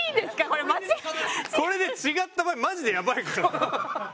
これで違った場合マジでやばいからな。